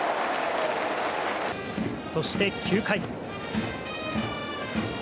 そして、９回。